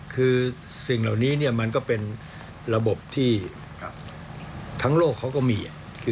คือสิ่งเหล่านี้มันก็เป็นระบบที่ทั้งโลกเขาก็มี